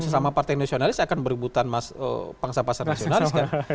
sesama partai nasionalis akan berebutan pangsa pasar nasionalis kan